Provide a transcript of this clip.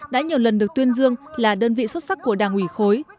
đã nhiều lần được tuyên dương là đơn vị xuất sắc của đảng ủy khối